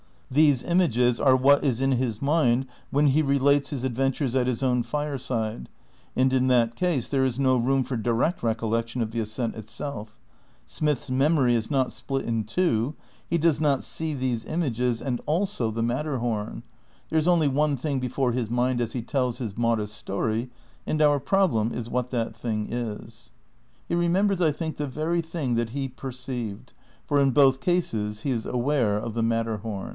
These images are what is in his mind when he relates his adventures at his own fireside, and in that case there is no room for direct recollection of the ascent itself. Smith's mem ory is not split in two. He does not see these images and also the • A Study in Bealism, p. 52. •The same, p. 64. n THE CRITICAL PREPARATIONS 25 Matterhom. ... There is only one thing before his mind as ho tells his modest story, and our problem is what that thing is. He remembers, I think, the very thing that he perceived ... for in both cases he is aware of the Matterhom."